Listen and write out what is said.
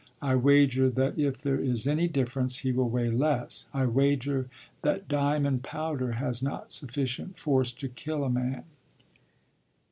I wager that if there is any difference, he will weigh less. I wager that diamond powder has not sufficient force to kill a man.